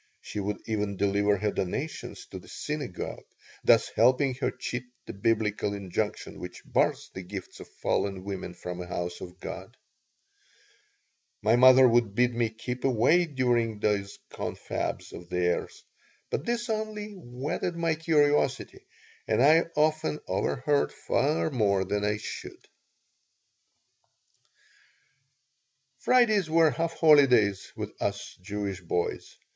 She would even deliver her donations to the synagogue, thus helping her cheat the Biblical injunction which bars the gifts of fallen women from a house of God My mother would bid me keep away during these confabs of theirs, but this only whetted my curiosity and I often overheard far more than I should Fridays were half holidays with us Jewish boys.